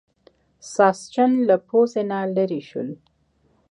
ساسچن له پوزې نه لرې شول.